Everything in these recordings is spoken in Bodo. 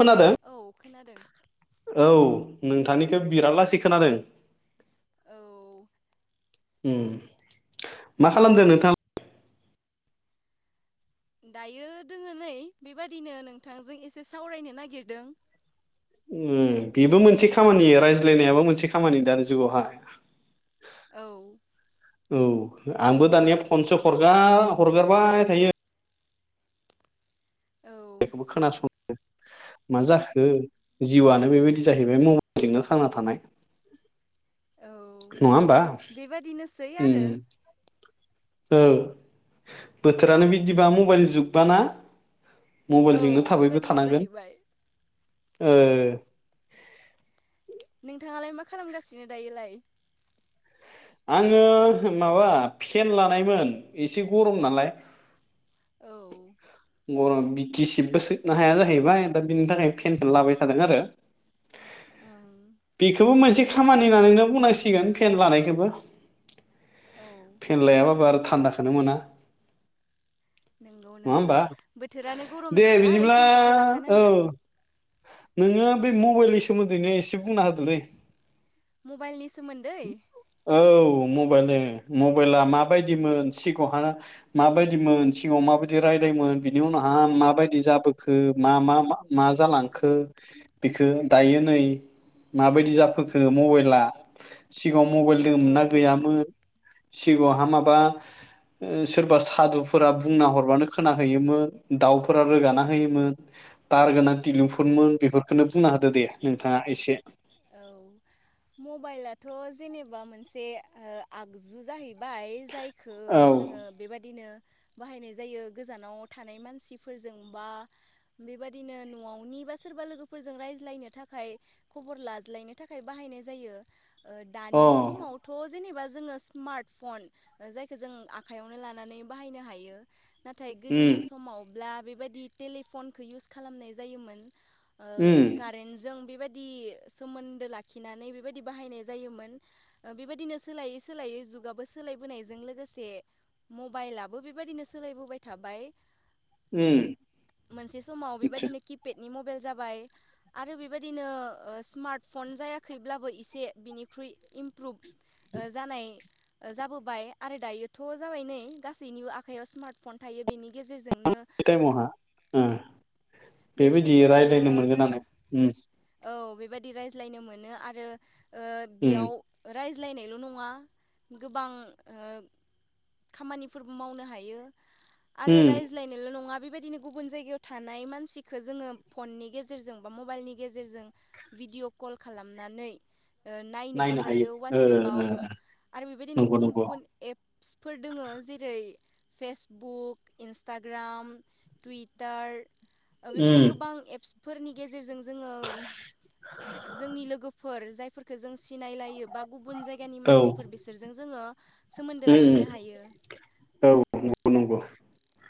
खोनादों औ खोनादों औ नोंथांनिखौ बिराद लासै खोनादों औ ओम। मा खालामदों नोंथां? दायो दोङो नै। बेबादिनो नोंथांजों एसे सावरायनो नागिरदों। ओम। बेबो मोनसे खामानि रायज्लायनायाबो मोनसे खामानि दानि जुगावहाय। औ औ। आंबो दानिया फनसो हरगार हरगारबाय थायो। औ खौबो खोनासङनो मा जाखो जिउआनो बेबायदि जाहैबाय मबाइलजोंनो ख थांना थानाय। [unintelligible] औ नङा होमबा? बेबादिनोसै आरो ओम। औ। बोथोरानो बिदिबा मबाइल जुगबा ना? औ मबाइलजोंनो थाबैबो बेबादिनो थानांगोन। जाहैबाय ओहो। नोंथाङालाय मा खालामगासिनो दायोलाय? आङो माबा फेन लानायमोन एसे गरम नालाय। औ गरम गिसिबबो सिबनो हाया जाहैबाय। दा बिनि थाखाय फेनखौ लाबाय थादों आरो। [unintelligible] बेखौबो मोनसे खामानि होननानैनो बुंनांसिगोन। फेन बानायखौबो। औ फेन लायाबाबो आरो थान्दाखौनो मोना। नंगौ-नंगौ होमबा बोथोरानो गरम दे नालाय बिदिब्ला फेनखौथ' औ लाखानांगोन। नोङो बे मबाइलनि सोमोन्दैनो एसे बुंना होदोलै। मबाइलनि सोमोन्दै औ। मबाइल मबाइला माबायदिमोन? सिगाङावहा माबायदिमोन? सिगाङाव माबायदि राय्लायमोन? बिनि उनावहा माबायदि जाबोखो? मा-मा-मा जालांखो? बेखो दायो नै माबायदि जाबोखो? दो मबाइला। सिगाङाव मबाइल दोङोमोन औ ना? गैयामोन? सिगाङावहा माबा सोरबा सादुफोरा बुंना हरबानो खोनाख होयोमोन। दाउफोरा रोगाना होयोमो। तार गोनां टिलिफनमोन। बेफोरखौनो बुंना होदो। दे। दे नोंथाङा एसे औ मबाइलाथ' जेनेबा मोनसे ओ आगजु जाहै बाय। जायखौ औ जोङो बेबादिनो बाहायनाय जायो गोजानाव थानाय मानसिफोरजों बा बेबादिनो न'आवनि बा सोरबा लोगोफोरजों रायज्लायनो थाखाय ख'बर लाज्लायनो थाखाय बाहायनाय जायो। ओ अ दानि समाव थ' जेने बा जोङो सिमार्ट फन। जायखौ जों आखाइयावनो लानानै बाहायनो हायो। नाथाय गोदोनि उम समावब्ला बेबायादि टेलिफनखौ इउस खालामनाय जायोमोन। ओ उम कारेन्ट जों बेबादि सोमोन्दो लाखिनानै बेबायदि बाहायनाय जायोमोन। बेबायदिनो सोलायै सोलायै जुगाबो सोलायबोनायजों लोगोसे मबाइलाबो बेबायदिनो सोलायबोबाय थाबाय। उम मोनसे समाव आदसा बेबायदिनो किपेडनि म बेल जाबाय आरो बेबायदिनो ओ सिमार्टफन जायाखैब्लाबो एसे बिनिख्रुइ इमप्रुभ ओ जानाय जाबोबाय आरो दायोथ' जाबाय नै गासैनिबो आखायाव स्मार्ट फन थायो। बेनि गेजेरजोंनो [unintelligible] बेनि बेबायदि गेजेरजोंनो रायलायनो मोनगोन जोङो उम औ बेबायाददि रायज्लायनो मोनो आरो ओ उम बेयाव राइज लायनाइ ल' नङा गोबां ओ खामानिफोरबो मावनो हायो। आरो उम रायज्लायनोल' नङा। बे बायदिनो गुबुन जायगायाव थानाय मानसिखो जोङो फननि गेजेरजों बा मबाइलनि गेजेरजों भिडिअ' कल खालामनानै नायनोबो नायनो हायो ओ वाट्सपाव आरो बेबायदिनो नंगौ गुबुन नंगौ गुबुन एप्स फोर दोङो जेरै फेसबुक, इन्सटाग्राम, टुइटार, ओ बेबायदि उम गोबां एप्सफोरनि गेजेरजों जोङो जोंनि लोगोफोर जायफोरखौ जों सिनायलायो बा गुबुन जायगानि औ मानसिफोर उम बिसोरजों जोङो सोमोन्दो उम लाखिनो हायो। औ नंगौ नंगौ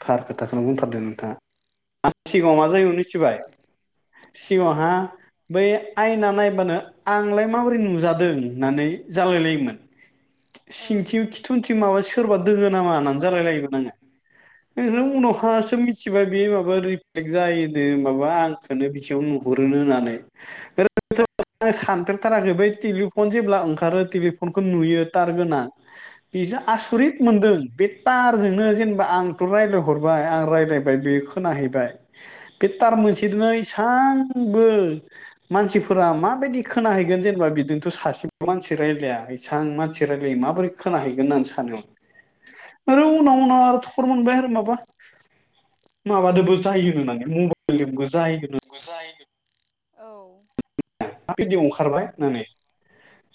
थार खोथाखौनो बुंथारदो नोंथाङा। औ सिगाङाव ओं मा जायो मिथिबाय सिगाङावहा बै आयना नायबानो आंलाय माबोरै नुजादों होननानै जालायलायोमोन। सिंथिखि सोरबा दोङो नामा होननानै जालायलायोमोन औ आङो ओं उनावहासो‌ मिन्थि सिबाय बे माबा रिफ्लेक्ट जायोनो माबा आंखौनो बिसेयाव नुहुरोनो होननानै आं सानफेरथाराखै बै टेलिफन जेब्ला ओंखारो टेलिफनखौ नुयो तार गोनां बेजो‌ औ आसरित मोनदों। तारजोंनो जेनेबा आंथ रायलायहरबाय आं रायलायहरबाय बे खोनाहैबाय। बे औ तार मोनसे दोनो एसां आंबो मानसिफोरा माबायदि खोनाहैगोन जेनेबा बिजोथ' सासेबो मानसि रायलाया। एसां मानसि रायलायो माबोरै खोनाहैगोन होननानै सानो। आरो ओै उनाव उनाव आरो थर मोनबाय आरो माबा माबादोबो जायोनो‌ माने मबाइलजोंबो जायो होननानै जायो बेफोर औ भिडिव ओंखारबाय होननानै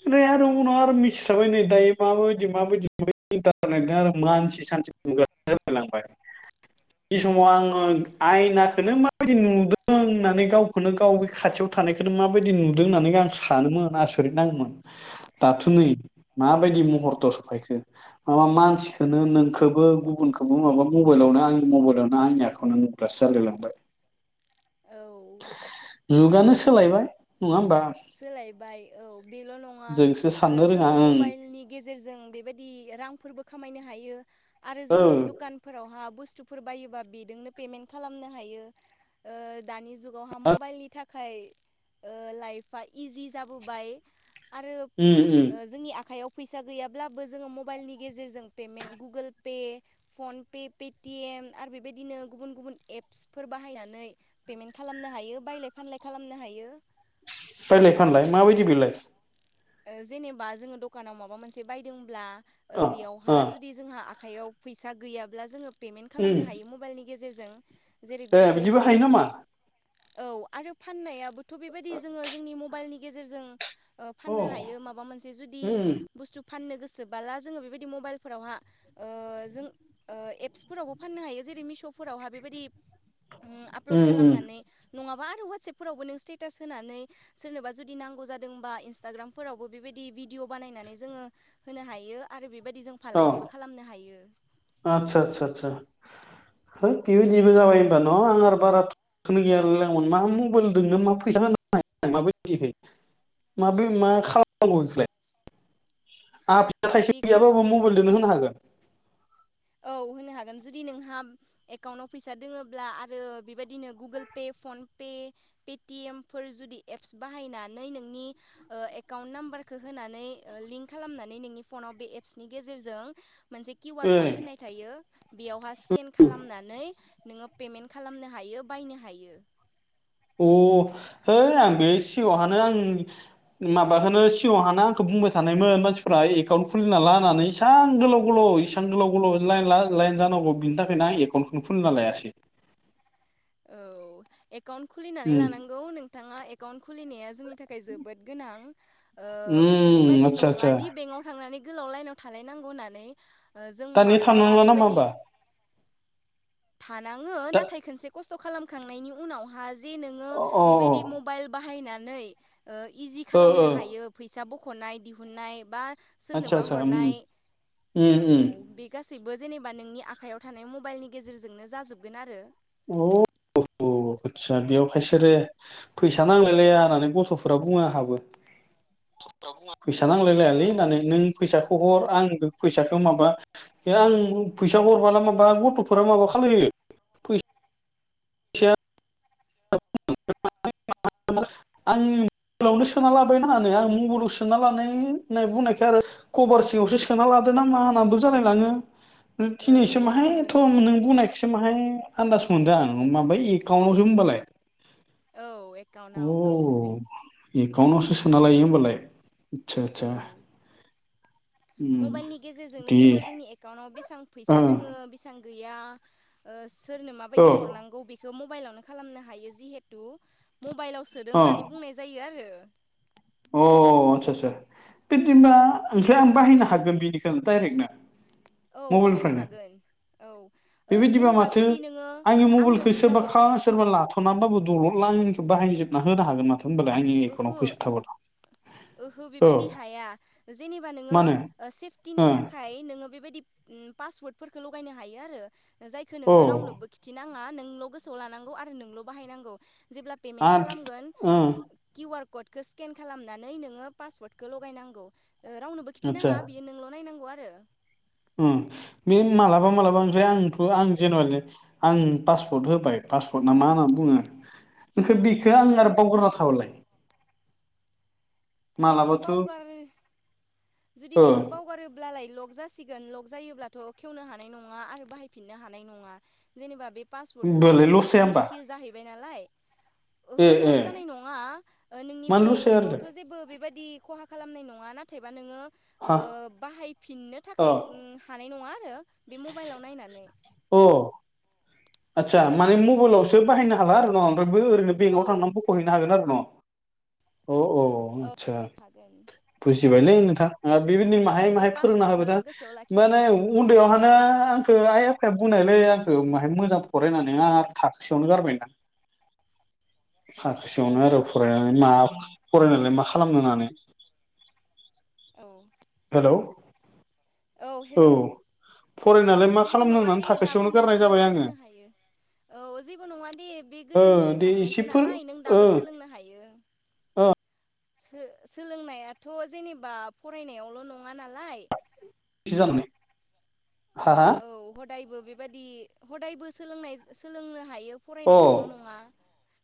ओमराय औ आरो उनाव आरो मिथिसाबाय नै दायो माबायदि माबायदि इन्टारनेटा आरो मानसि सानसे [unintelligible] लांबाय। बे समाव आं औ आयनाखोनो माबायदि नुदों होननानै गावखौनो गाव बे खाथियाव थानायखौनो माबायदि नुदों होननानै आं सानोमोन आसरिथ' नाङोमोन दाथ नै माबायदि महरथ' सफायखो माबा मानसिखोनो नोंखोबो गुबनखौबो माबा मबाइलआवनो आंनि मबाइल आंनि आखायाव नो नुग्रासो जालायलांबाय। [inaudible] औ जुगानो सोलायबाय नङा होमबा? सोलायबाय औ बेल नङा जोंसो ओ साननो रोङा जोङो ओं मबाइलनि गेजेरजों बेबायदि इयार रांफोरबो खामायनो हायो आरो औ जोङो दुखानफोरावहा बुस तुफोर बायोबा बेदोंनो पेमेन खालामनो हायो ओ दानि जुगाव हा मबाइलनि थाख खाय ओ लाइफआ इजि जाबोबाय। आरो उम उम ओ जोंनि आखायाव फैसा गैयाब्लाबो जोङो मबाइलनि गेजेरजों payment Google pay PhonePe Paytm M आरो बेबायदिनो गुबुन गुबुन एप्सफोर बाहायनानै पेमेन्ट खालामनो हायो बायलाय फानलाय खालामनो हायो। बायलाय फानलाय माबायदि बिलाय? ओ जेनेबा जोङो दखानाव माबा मोनसे बायदोंब्ला ओ ओ बेयावहा जुदि जोंहा? आखायाव फैसा गैयाब्ला जोङो पेमेन्ट उम खालामनो हायो मबाइलनि गेजेरजों। जेरै ए गुगोल बिदिबो पे हायो नामा? औ आरो फाननायाबोथ बेबायदि जोङो जोंनि मबाइलनि गेजेरजों ओ अ फाननो हायो माबा मोनसे जुदि उम बुसथु फाननो गोसोबाला जों बेबिदि मबाइलफोरावहा ओ‌ जोङो ओ एप्सफोरावबो फाननो‌‌ हायोे मिस सफोरावहा बेबायदि आपलड उम उम खालामनानै नङाबा वाटसेपफोरावबो नों स्टेटास होनानै सोरनोबा जुदि नांगौ जादोंबा ग्राम फोरावबो बेबायदि भिडिअ बानायनानै जोङो होनो हायो आरो बेफो अ आतसा आत्सा सा होत औ बेबायदिबो जाबाय होनबा न आं आरो बारा खोनो गैया आरो आ मा मबाइल दोनो मा फैसा होन माबायदिहै। माब्रै मा खालामनांगौ बेखौलाय? आं फिसा थाइसे बेखौ गैयाबाबो मबाइलदो होनो हागोन? औ होनो हागोन जुदि नोंहा एकाउन्टाव फैसा दोङला आरो बेबायदिनो Google Pay PhonePe Paytm फोर जुदि एप्स बाहायनानै नोंनि ओ एकाउन्टाम्बार फोरखो होनानै ओ लिंख खालामनानै नोंनि फनाव बे एपसनि गेजेरजों मोनसे किउ आर ए कड होनाय थायो बेयावहा स्केन खालामनानै नोङो पेमेन्ट खालामनो हायो बायनो हायो। अ है आं बे सिगाङहानो आं माबाखौनो सिगाङावहानो आंखो बुंबाय थानायमोन मानसिफोरा एकाउन्ट खुलिना ला होननानै इसां गोलाव गोलाव इसेबां गोलाव गोलाव लायेन ला जांगौ बिनि थाखायनो आं एकाउन्टखौनो खुलिना लायासै। [inaudible] एकाउन्ट खुलिनानै उम लानांगौ नोंथाङा एकाउन्ट खुलिनाया जोंनि थाखाय जोबोद गोनां ओ उम बेबादि आदसा आदसा नङादि बेंक थांनानै गोलाव लाइनाव थालायनांगौ होननानै। ओ जों दा नेट माब्लाबा थानांला नामा बेबायदि होमबा थानाङो दा नाथाय खोनसे खस्थ' खालामखांनायनि उनावहा जे नोङो अ अ अ बेबायदि मबाइल बाहायनानै इजि ओ खालामनो हायो फैसा बख'नाय दिहुननाय बा आदसा सोरनोबा आदसा उम हरनाय उम औ बे गासैब बो जेनेबा नोंनि आखायाव थानाय मबाइलनि गेजेरजोंनो जाजोबगोन आरो। अ। अ आदसा बेयाव खायसोरो फैसा नांलायलाया होननानै गथ'फोरा बुङो आंहाबो। [inaudible] फैसा नांलाय लायालै औ नानै नों फैसा हर आं बे फैसाखौ माबा आं फैसा हरब्ला माबा गथ'फोरा माबा खालायो फैस [inaudible] आंनि मबाइलावनो सोना लाबायनानानै आं मबाइलाव सोना लानाय होननाय बुंनायखाय आरो कभार सिङावसो सोनना लादो ना मा होनांगौ जालाय लाङो। दिनैसो औ माहायथ' नों बुंनाय एस माहाय आन्दास मोनदों आं माबाय एकाउन्टआवसो होनबालाय औ अ एकाउन्टाव एकाउन्टवसो सोना लायो होमबालाय आथसा औ आथसा उम मबाइलनि गेजेरजोंनो दे जोङो जोंनि एकाउन्टाव बेसेबां फैसा दोङो औ बेसेबां गैया ओ सोरनो औ माबायदि हरनांगौ बेखौ मबाइलावनो खालामनो हायो जिहेतु मबाइलाव सोदों अ होननानै बुंनाय जायो आरो अ आथसा आथसा बिदिबा ओंफ्रायाय आं बाहायनो हागोन बिनिखनो डाइरेक्टनो? औ बाहायनो मबाइलनिफ्रायनो हागोन औ बेबायदिबा जेनेबा माथो जुदि नोङो आंनि मबाइलखौ आंनो फैसा सोरबा खा हरगोन सोरबा लाथ'नानैबाबो दलदला आंनिखौ बाहायजोबना होनो हागोन माथो होनबालाय आंनि एकाउन्टाव ओहो फैसा थाबोला ओहो औ बेबायदि हाया जेनेबा नोङो मा होनो सेफटिनि थाखाय नोङो बेबायदि पासवर्दख लगायनो हायो आरो जायखौ औ नोङो रावनोबो खिथिनाङा नों गोसोआव लानांगौ नोंल' बाहायनांगौ। जेब्ला पेमेन्ट आद खालामगोन ओ किउआर कडखौ स्केन खालामनानै नोङो पासवर्डखौ लगायनांगौ रावनोबो खिथि नाङा। बियो नोंल' नायनांगौ आरो उम बे मालाबा मालाबा ओमफ्राय आंथ' आं जेनवा आं पासपर्ट होबाय पासवार्ट ना मा होनना बुङो। औ खो बेखौ आं आरो बावग्रा थाबायलाय बेखौ बावगार जुदि बेखौ बावगारोब्लालाय लक जासिगोन लग जायोब्लाथ' खेवनो हानाय नङा आरो बाहायफिननो हानाय नङा जेनेबा बे पासवार्टखौथ' बोलाय लस नोंल'सो जाया होमबा मिथियो जाहैबाय नालाय ओहो ए लस ए जानाय नङा नोंनि मानलु सेर बेंकआवथ' जेबो बेबायदि खहा खालामनाय नङा नाथायबा नोङो ओ हा बाहायफिननो अ थाखाय हानाय नङा आरो बे मबाइलाव नायनानै अ आदसा माने मबाइलावसो बाहायनो हाला आरो न ओमफ्रायबो ओरैनो बेंकव औ थांनानै बोखहैनो हागोन आरो न' अ औ [inaudible] बुजिबायलै नोंथां औ बेबायदिनो माहाय बिनिखायनो बे माहाय फोरोंना होबाय पासवर्डखौ था गोसोआव माने लाखिनाया उन्दैयावहानो [unintelligible] आइया [unintelligible] बुंनायलै आंखौ माहाय मोजां फरायनानै आरो आंहा थाखोसेयावनो गारबायना। औ थाखोसेयावनो आरो फरायनानै मा फरायनानैलाय मा खालामनो होननानै औ हेलौ, औ हेलौ औ फरायनालाय मा जेबो खालामनो नङा होननानै दे दाबो थाखोसेयावनो गारनाय नोंथाङा जाबाय आङो सोलोंनो हायो। औ जेबो नङा दे बे ओ गोदोनि दे थांनायसो एसेफोर नालाय नों दाबो सोलोंनो हायो। ओ सोलोंनायाथ' जेनेबा फरायनायावल' नङा नालाय। [unintelligible] हारा औ हदायबो बेबादि हदायबो सोलोंनाय सोलोंनो हायो अ फरायनायजोंल' नङा।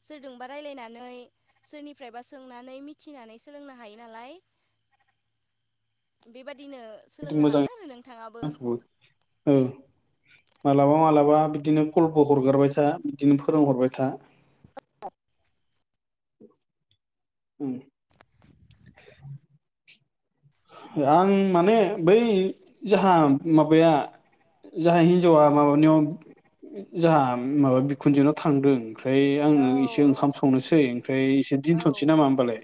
सोरजोंबा रायजलायनानै सोरनिफ्रायबा सोंनानै मिथिनानै सोलोंनो हायो नालाय। बेबादिनो बिदि सोलोंनो मोजां हागोन आरो नोंथाङाबो आंखौबो औ मालाबा मालाबा बिदिनो गलफ हरगारबाय था बिदिनो फोरोंहरबाय था अ' उम आं माने बै जोहा माबाया जोंहा हिन्जावा माबानियाव जोहा माबा बिखुनजोनाव थांदों। फ्राय आङो औ एसे ओंखाम संनोसै ओमफ्राय एसे औ दोनथ'नोसै नामा होनोमबालाय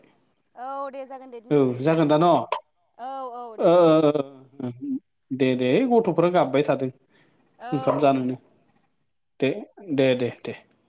औ दे जागोन दे दोनथ'नोसै औ औ ओ दे। दे दे गथ'फोरा गाबबाय थादों ओंखाम औ दे। जानोनो। दे दे दे दे।